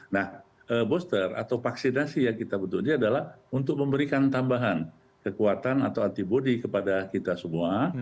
nah booster atau vaksinasi yang kita butuhkan adalah untuk memberikan tambahan kekuatan atau antibody kepada kita semua